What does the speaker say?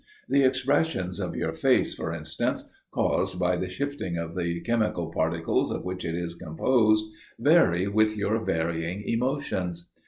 The expressions of your face, for instance, caused by the shifting of the chemical particles of which it is composed, vary with your varying emotions.